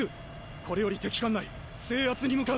これより敵艦内制圧に向かう。